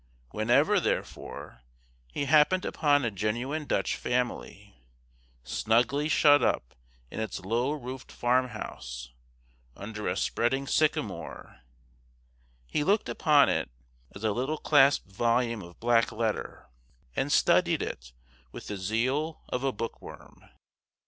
Whenever, therefore, he happened upon a genuine Dutch family, snugly shut up in its low roofed farm house, under a spreading sycamore, he looked upon it as a little clasped volume of black letter, and studied it with the zeal of a bookworm.